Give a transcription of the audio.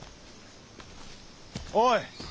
おい！